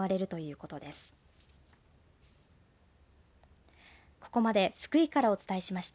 ここまで福井からお伝えしました。